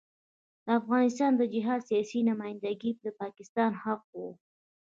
د افغانستان د جهاد سیاسي نمايندګي د پاکستان حق وو.